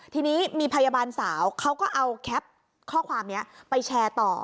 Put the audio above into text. ทีนี้มีพยาบาลสาวเขาก็เอาแคปข้อความนี้ไปแชร์ต่อ